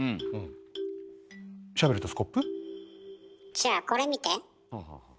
じゃあこれ見て。